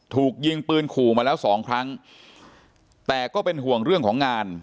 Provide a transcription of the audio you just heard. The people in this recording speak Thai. ถูกยิงปืนขู่มาแล้วสองครั้งแต่ก็เป็นห่วงเรื่องของงาน